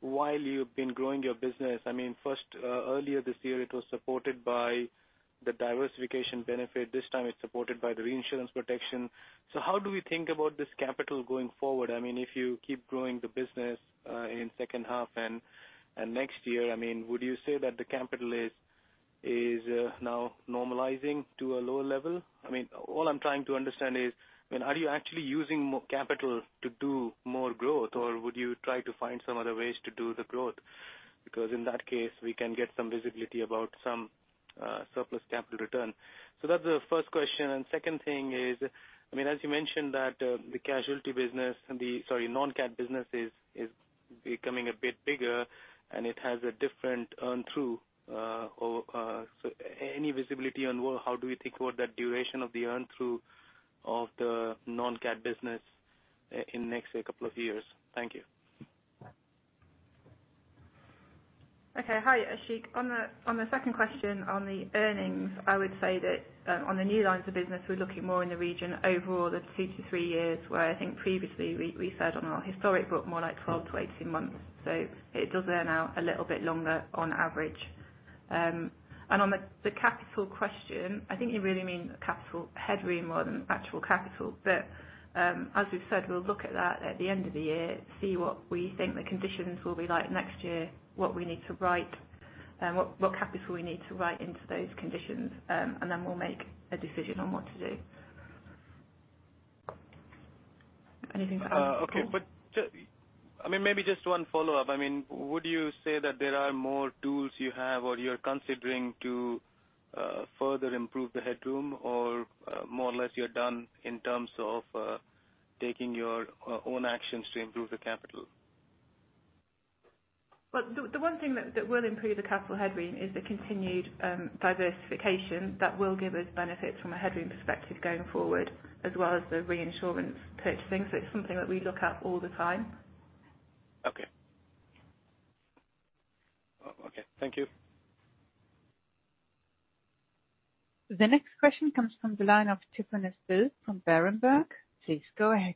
while you've been growing your business. I mean, first, earlier this year it was supported by the diversification benefit. This time it's supported by the reinsurance protection. How do we think about this capital going forward? I mean, if you keep growing the business, in second half and next year, I mean, would you say that the capital is now normalizing to a lower level? I mean, all I'm trying to understand is, I mean, are you actually using more capital to do more growth, or would you try to find some other ways to do the growth? Because in that case, we can get some visibility about some surplus capital return. That's the first question. Second thing is, I mean, as you mentioned that, the casualty business, non-CAT business is becoming a bit bigger, and it has a different earn through, so any visibility on well, how do we think about that duration of the earn through of the non-CAT business in next say couple of years? Thank you. Okay. Hi, Ashik. On the second question, on the earnings, I would say that on the new lines of business, we're looking more in the region overall of two to three years, where I think previously we said on our historic book more like 12-18 months. It does earn out a little bit longer on average. And on the capital question, I think you really mean capital headroom more than actual capital. As we've said, we'll look at that at the end of the year, see what we think the conditions will be like next year, what we need to write, what capital we need to write into those conditions, and then we'll make a decision on what to do. Anything to add, Paul? I mean, maybe just one follow-up. I mean, would you say that there are more tools you have or you're considering to further improve the headroom? Or, more or less you're done in terms of taking your own actions to improve the capital? Well, the one thing that will improve the capital headroom is the continued diversification that will give us benefits from a headroom perspective going forward, as well as the reinsurance purchasing. It's something that we look at all the time. Okay. Thank you. The next question comes from the line of Tryfonas Spyrou from Berenberg. Please go ahead.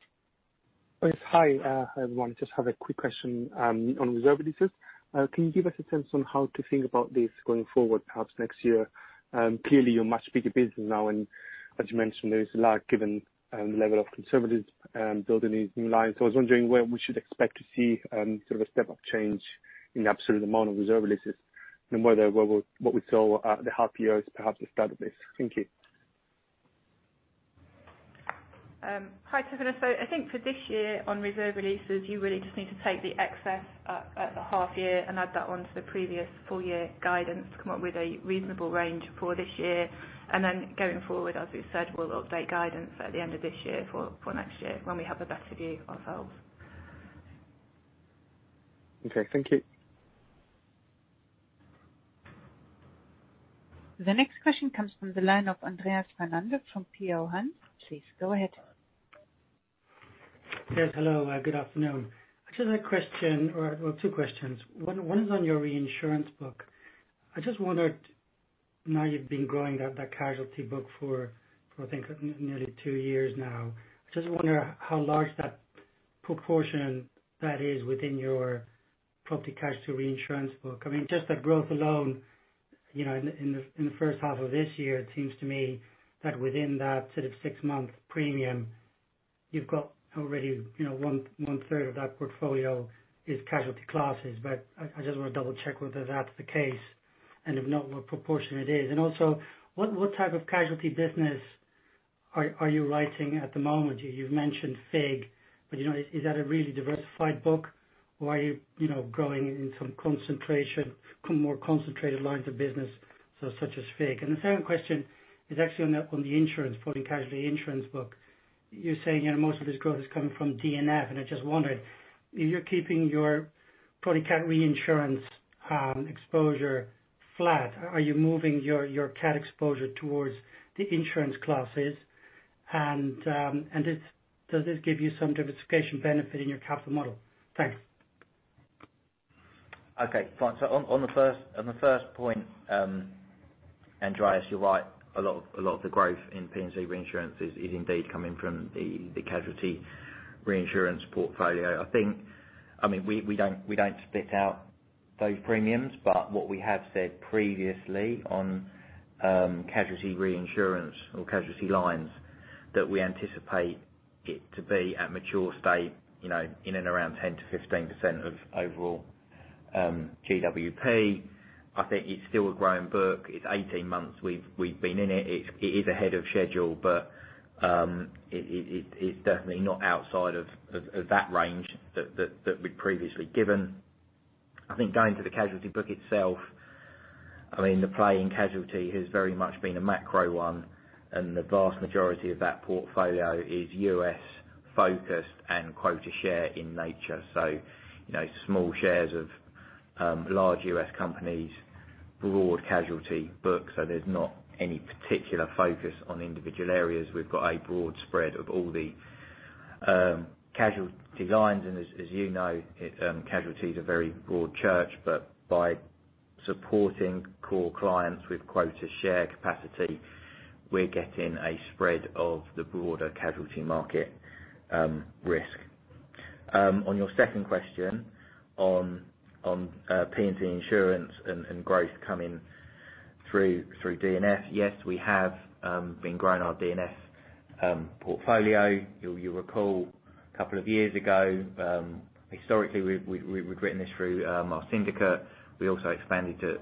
Yes. Hi, everyone. Just have a quick question on reserve releases. Can you give us a sense on how to think about this going forward, perhaps next year? Clearly you're a much bigger business now, and as you mentioned, there is a lot given the level of conservatism building these new lines. I was wondering when we should expect to see sort of a step-up change in the absolute amount of reserve releases and whether what we saw at the half year is perhaps the start of this. Thank you. Hi, Tiffany. I think for this year on reserve releases, you really just need to take the excess at the half year and add that onto the previous full year guidance to come up with a reasonable range for this year. Then going forward, as we said, we'll update guidance at the end of this year for next year when we have a better view ourselves. Okay. Thank you. The next question comes from the line of Andreas van Embden from Peel Hunt. Please go ahead. Yes, hello. Good afternoon. I just have a question or, well, two questions. One is on your reinsurance book. I just wondered now you've been growing that casualty book for I think nearly two years now. I just wonder how large that proportion that is within your property casualty reinsurance book. I mean, just that growth alone, you know, in the first half of this year, it seems to me that within that sort of six-month premium, you've got already, you know, 1/3 of that portfolio is casualty classes. But I just want to double check whether that's the case, and if not, what proportion it is. And also, what type of casualty business are you writing at the moment? You've mentioned FIG, but you know, is that a really diversified book or are you know, growing in some concentration, more concentrated lines of business, such as FIG? The second question is actually on the insurance, property casualty insurance book. You're saying, you know, most of this growth is coming from D&F, and I just wondered if you're keeping your property casualty reinsurance exposure flat. Are you moving your cat exposure towards the insurance classes? And does this give you some diversification benefit in your capital model? Thanks. Okay. Fine. On the first point, Andreas, you're right. A lot of the growth in P&C reinsurance is indeed coming from the casualty reinsurance portfolio. I think. I mean, we don't split out those premiums, but what we have said previously on casualty reinsurance or casualty lines, that we anticipate it to be at mature state, you know, in and around 10%-15% of overall GWP. I think it's still a growing book. It's 18 months we've been in it. It is ahead of schedule, but it is definitely not outside of that range that we'd previously given. I think going to the casualty book itself, I mean, the play in casualty has very much been a macro one, and the vast majority of that portfolio is U.S. focused and quota share in nature. You know, small shares of large U.S. companies, broad casualty books, so there's not any particular focus on individual areas. We've got a broad spread of all the casualty lines. As you know, casualty is a very broad church. By supporting core clients with quota share capacity, we're getting a spread of the broader casualty market risk. On your second question on P&C insurance and growth coming through D&F. Yes, we have been growing our D&F portfolio. You'll recall a couple of years ago, historically, we've written this through our syndicate. We also expanded to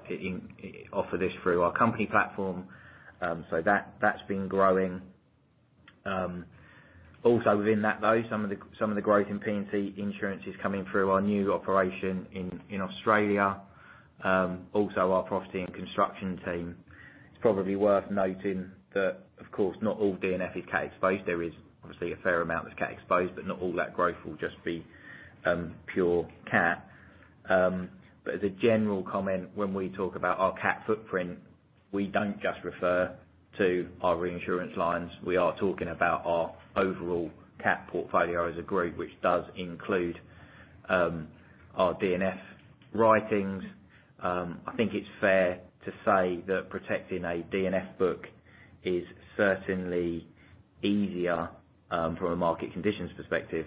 offer this through our company platform. That's been growing. Also within that though, some of the growth in P&C insurance is coming through our new operation in Australia. Also our property and construction team. It's probably worth noting that, of course, not all D&F is cat exposed. There is obviously a fair amount that's cat exposed, but not all that growth will just be pure cat. As a general comment, when we talk about our cat footprint, we don't just refer to our reinsurance lines. We are talking about our overall cat portfolio as a group, which does include our D&F writings. I think it's fair to say that protecting a D&F book is certainly easier from a market conditions perspective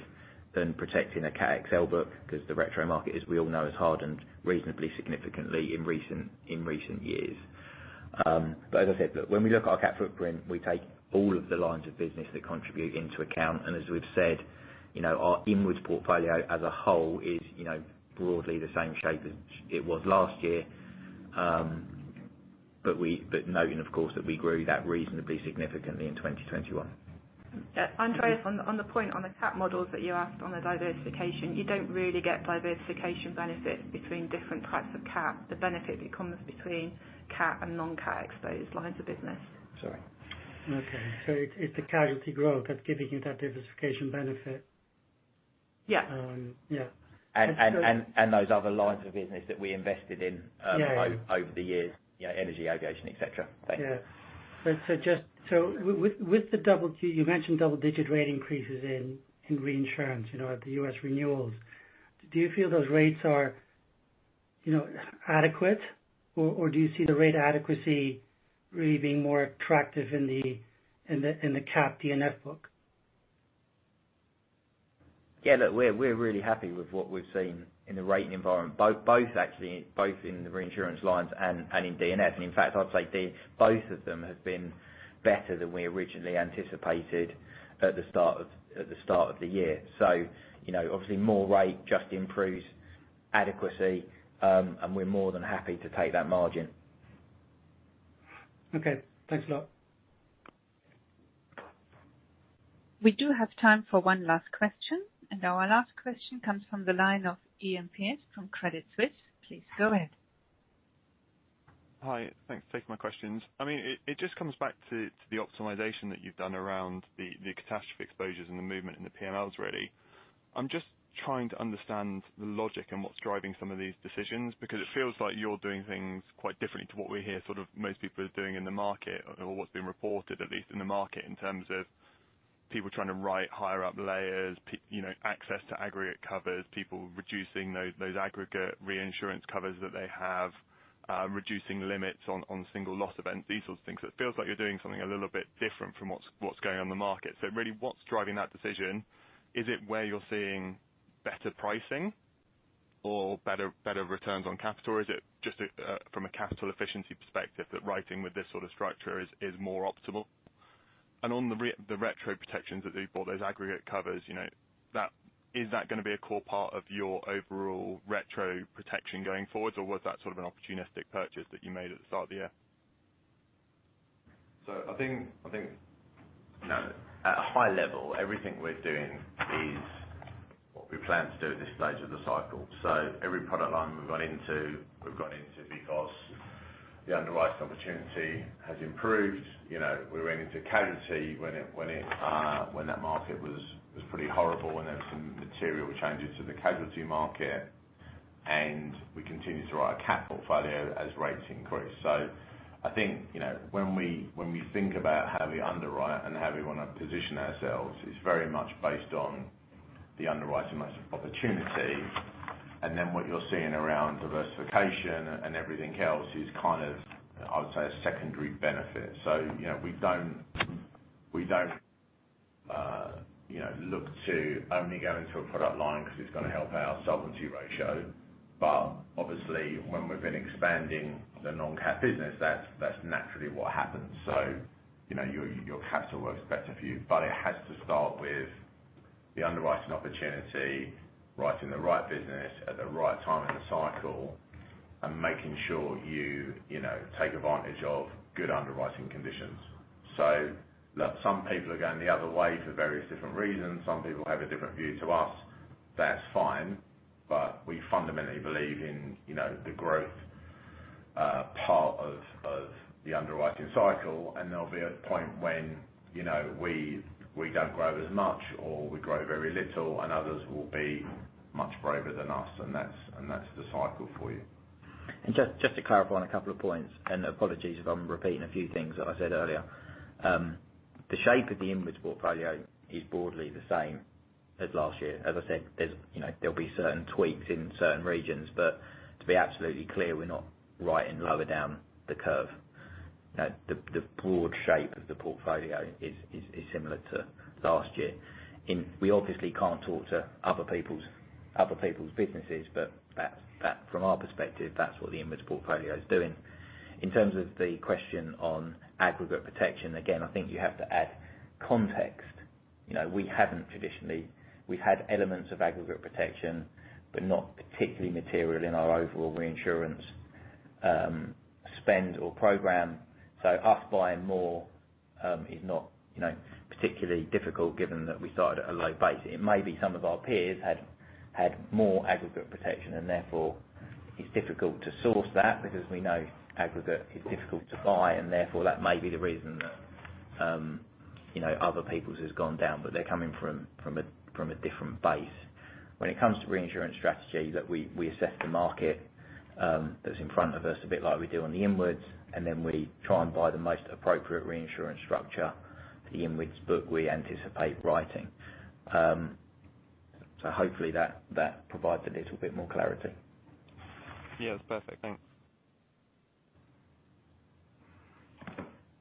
than protecting a cat XL book, because the retro market, as we all know, has hardened reasonably significantly in recent years. As I said, look, when we look at our cat footprint, we take all of the lines of business that contribute into account. As we've said, you know, our inwards portfolio as a whole is, you know, broadly the same shape as it was last year. Noting of course that we grew that reasonably significantly in 2021. Yeah. Andreas, on the point on the cat models that you asked on the diversification. You don't really get diversification benefits between different types of cat. The benefit comes between cat and non-cat exposed lines of business. Sorry. Okay. It's the casualty growth that's giving you that diversification benefit. Yeah. Yeah. those other lines of business that we invested in over the years, you know, energy, aviation, et cetera. With the double-digit rate increases in reinsurance, you know, at the U.S. renewals. Do you feel those rates are, you know, adequate or do you see the rate adequacy really being more attractive in the cat D&F book? Yeah, look, we're really happy with what we've seen in the rating environment. Both actually in the reinsurance lines and in D&F. In fact, I'd say both of them have been better than we originally anticipated at the start of the year. You know, obviously more rate just improves adequacy. We're more than happy to take that margin. Okay. Thanks a lot. We do have time for one last question. Our last question comes from the line of Iain Pearce from Credit Suisse. Please go ahead. Hi. Thanks for taking my questions. I mean, it just comes back to the optimization that you've done around the catastrophe exposures and the movement in the PMLs really. I'm just trying to understand the logic and what's driving some of these decisions. Because it feels like you're doing things quite differently to what we hear sort of most people are doing in the market or what's being reported, at least in the market, in terms of people trying to write higher up layers, you know, access to aggregate covers. People reducing those aggregate reinsurance covers that they have. Reducing limits on single loss events, these sorts of things. It feels like you're doing something a little bit different from what's going on in the market. Really what's driving that decision? Is it where you're seeing better pricing or better returns on capital? Or is it just from a capital efficiency perspective that writing with this sort of structure is more optimal? On the retro protections that you bought, those aggregate covers, you know, that is gonna be a core part of your overall retro protection going forward? Or was that sort of an opportunistic purchase that you made at the start of the year? I think, you know, at a high level, everything we're doing is what we plan to do at this stage of the cycle. Every product line we've gone into, we've gone into because the underwriting opportunity has improved. You know, we went into casualty when that market was pretty horrible and there was some material changes to the casualty market. We continue to write cat portfolio as rates increase. I think, you know, when we think about how we underwrite and how we want to position ourselves, it's very much based on the underwriting opportunity. Then what you're seeing around diversification and everything else is kind of, I would say, a secondary benefit. You know, we don't you know look to only go into a product line because it's going to help our solvency ratio. Obviously when we've been expanding the non-cat business, that's naturally what happens. You know, your capital works better for you. It has to start with the underwriting opportunity, writing the right business at the right time in the cycle, and making sure you know take advantage of good underwriting conditions. Look, some people are going the other way for various different reasons. Some people have a different view to us, that's fine. We fundamentally believe in, you know, the growth. A part of the underwriting cycle, and there'll be a point when, you know, we don't grow as much or we grow very little, and others will be much braver than us, and that's the cycle for you. Just to clarify on a couple of points, and apologies if I'm repeating a few things that I said earlier. The shape of the inwards portfolio is broadly the same as last year. As I said, there's, you know, there'll be certain tweaks in certain regions, but to be absolutely clear, we're not writing lower down the curve. The broad shape of the portfolio is similar to last year. We obviously can't talk to other people's businesses, but that from our perspective, that's what the inwards portfolio is doing. In terms of the question on aggregate protection, again, I think you have to add context. You know, we haven't traditionally. We've had elements of aggregate protection, but not particularly material in our overall reinsurance spend or program. Us buying more is not, you know, particularly difficult given that we started at a low base. It may be some of our peers had more aggregate protection and therefore it's difficult to source that because we know aggregate is difficult to buy and therefore that may be the reason that other people's has gone down, but they're coming from a different base. When it comes to reinsurance strategy, that we assess the market that's in front of us, a bit like we do on the inwards, and then we try and buy the most appropriate reinsurance structure for the inwards book we anticipate writing. Hopefully that provides a little bit more clarity. Yeah, that's perfect. Thanks.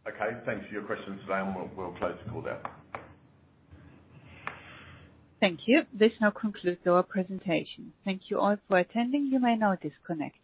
Okay, thanks for your questions today, and we'll close the call there. Thank you. This now concludes our presentation. Thank you all for attending. You may now disconnect.